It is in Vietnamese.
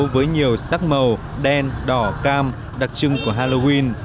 với nhiều sắc màu đen đỏ cam đặc trưng của halloween